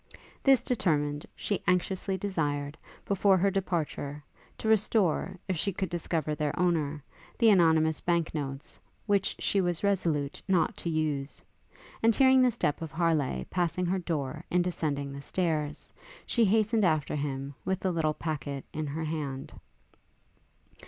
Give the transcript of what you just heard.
This determined, she anxiously desired, before her departure, to restore, if she could discover their owner, the anonymous bank notes, which she was resolute not to use; and, hearing the step of Harleigh passing her door in descending the stairs, she hastened after him, with the little packet in her hand.